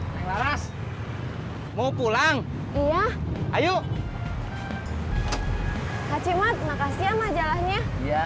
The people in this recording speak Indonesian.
sampai jumpa di video selanjutnya